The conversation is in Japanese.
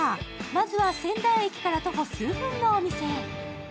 まずは仙台駅から徒歩数分のお店へ。